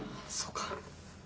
そうか。